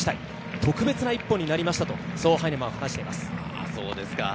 特別な一本になりましたとハイネマンは話しています。